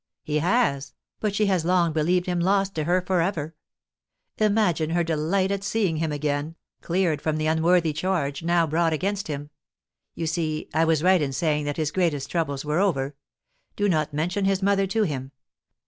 "He has, but she has long believed him lost to her for ever. Imagine her delight at seeing him again, cleared from the unworthy charge now brought against him. You see I was right in saying that his greatest troubles were over; do not mention his mother to him.